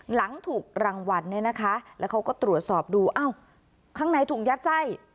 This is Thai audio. หลังถูกรางวัลเนี่ยนะคะแล้วเขาก็ตรวจสอบดูอ้าวข้างในถูกยัดไส้